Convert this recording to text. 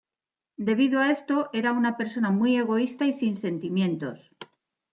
Debido a esto, era una persona muy egoísta y sin sentimientos.